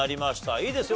いいですよ。